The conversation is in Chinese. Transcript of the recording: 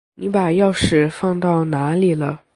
你把钥匙放到哪里了？